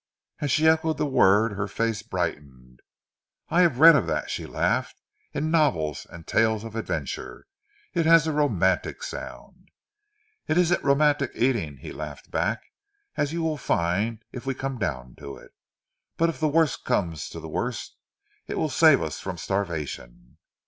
As she echoed the word, her face brightened. "I have read of that," she laughed, "in novels and tales of adventure. It has a romantic sound." "It isn't romantic eating," he laughed back. "As you will find if we come down to it. But if the worst comes to the worst it will save us from starvation."